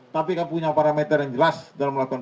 tapi kan punya parameter yang jelas dalam melakukan